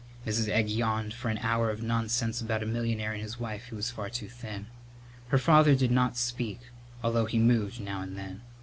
Mrs. Egg yawned for an hour of nonsense about a millionaire and his wife who was far too thin. Her father did not speak, although he moved now and then.